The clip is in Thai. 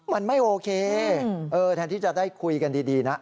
มันไม่โอเคแทนที่จะได้คุยกันดีนะ